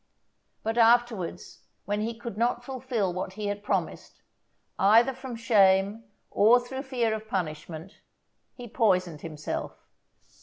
But afterwards, when he could not fulfil what he had promised, either from shame, or through fear of punishment, he poisoned himself.